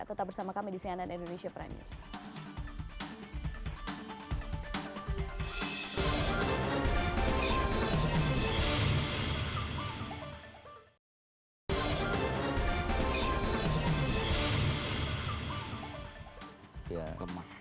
tetap bersama kami di cnn indonesia prime news